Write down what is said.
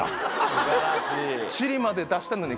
尻まで出したのに。